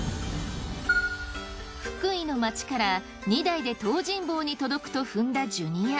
福井の街から２台で東尋坊に届くと踏んだジュニア。